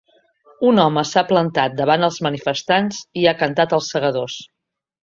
Un home s’ha plantat davant els manifestants i ha cantat ‘Els Segadors’.